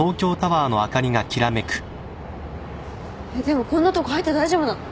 でもこんなとこ入って大丈夫なの？